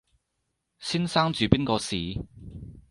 先生住邊個巿？